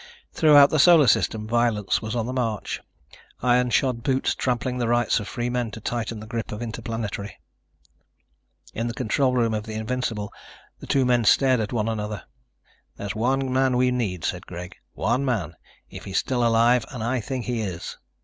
Throughout the Solar System violence was on the march, iron shod boots trampling the rights of free men to tighten the grip of Interplanetary. In the control room of the Invincible the two men stared at one another. "There's one man we need," said Greg. "One man, if he's still alive, and I think he is."